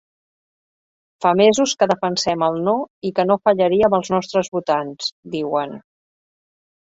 Fa mesos que defensem el no i que no fallaríem als nostres votants, diuen.